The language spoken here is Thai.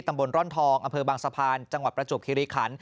ตำบลร่อนทองอเมืองบางสะพาน